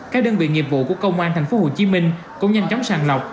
các đơn vị nghiệp vụ của công an tp hcm cũng nhanh chóng sàng lọc